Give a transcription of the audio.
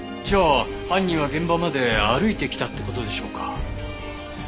じゃあ犯人は現場まで歩いてきたって事でしょうか？